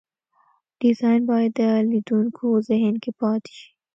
ډیزاین باید د لیدونکو ذهن کې پاتې شي.